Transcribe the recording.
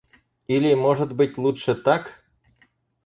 Или, может быть, лучше так?